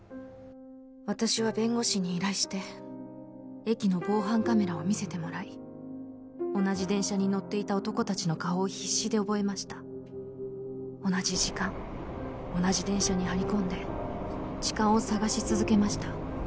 私は弁護士に依頼して駅の防犯カメラを見せてもらい同じ電車に乗っていた男たちの顔を必死で覚えました同じ時間同じ電車に張り込んで痴漢を捜し続けました